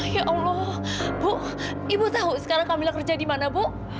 ya allah bu ibu tahu sekarang kami kerja di mana bu